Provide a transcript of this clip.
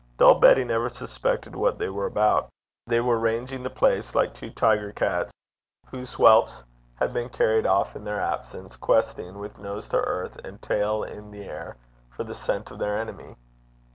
Dull Betty never suspected what they were about. They were ranging the place like two tiger cats whose whelps had been carried off in their absence questing, with nose to earth and tail in air, for the scent of their enemy.